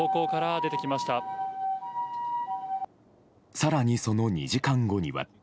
更に、その２時間後には。